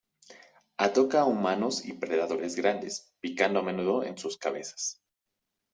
Ataca a humanos y predadores grandes, picando a menudo en sus cabezas.